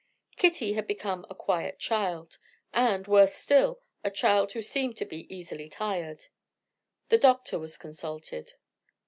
Kitty had become a quiet child; and, worse still, a child who seemed to be easily tired. The doctor was consulted.